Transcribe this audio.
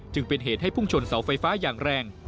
จึงเป็นเหตุให้พุ่งชนเสาไฟฟ้าอย่างแรง